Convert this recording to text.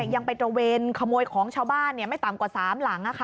ยังไปตระเวนขโมยของชาวบ้านไม่ต่ำกว่า๓หลัง